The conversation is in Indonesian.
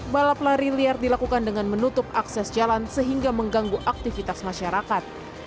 balap lari liar dilakukan dengan menutup akses jalan sehingga mengganggu aktivitas masyarakat